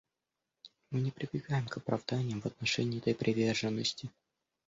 Мы не прибегаем к оправданиям в отношении этой приверженности.